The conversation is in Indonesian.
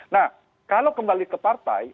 nah kalau kembali ke partai